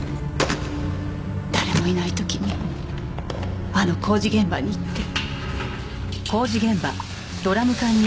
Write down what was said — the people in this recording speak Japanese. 誰もいない時にあの工事現場に行って。